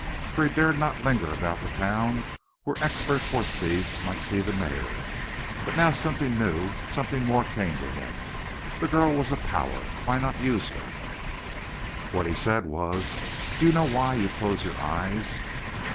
For he dared not linger about the town where expert horse thieves might see the mare. But now something new, something more came to him. The girl was a power? Why not use her? What he said was: "Do you know why you close your eyes?"